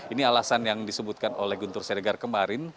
ini alasan yang disebutkan oleh guntur siregar kemarin